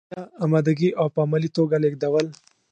شونتیا، امادګي او په عملي توګه لیږدول.